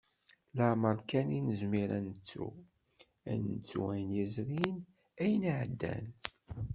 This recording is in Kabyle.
Lemmer kan i nezmir ad nettu, ad nettu ayen yezrin, ayen iɛeddan.